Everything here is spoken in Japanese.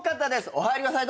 お入りください。